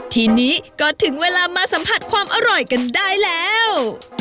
ทีนี้ก็ถึงเวลามาสัมผัสความอร่อยกันได้แล้ว